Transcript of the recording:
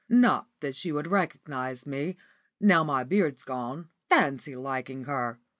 Not that she would recognise me, now my beard's gone. Fancy liking her!